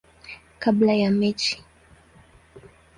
kabla ya mechi.